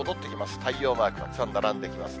太陽マークたくさん並んでいますね。